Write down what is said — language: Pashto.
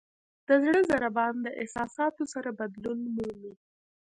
د زړه ضربان د احساساتو سره بدلون مومي.